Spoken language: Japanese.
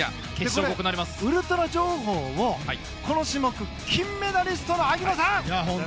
ではウルトラ情報をこの種目金メダリストの萩野さん！